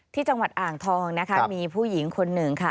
ที่จังหวัดอ่างทองนะคะมีผู้หญิงคนหนึ่งค่ะ